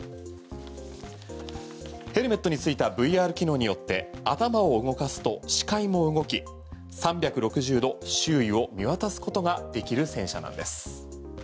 ヘルメットについたＶＲ機能によって頭を動かすと視界も動き３６０度、周囲を見渡すことができる戦車なんです。